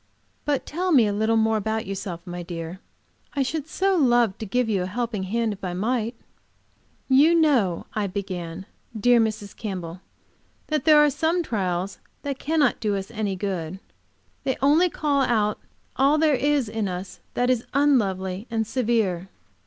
But tell me a little more about yourself, my dear. I should so love to give you a helping hand, if I might." "You know," I began, "dear Mrs. Campbell, that there are some trials that cannot do us any good. They only call out all there is in us that is unlovely and severe."